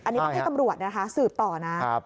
อันนี้ต้องให้ตำรวจนะคะสืบต่อนะ